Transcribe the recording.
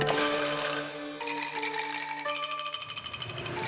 bapak ganti pakaian dulu